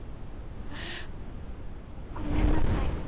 あごめんなさい